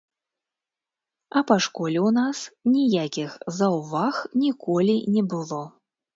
А па школе ў нас ніякіх заўваг ніколі не было.